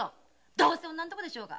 どうせ女のとこでしょうが。